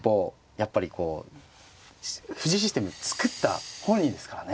やっぱりこう藤井システム作った本人ですからね。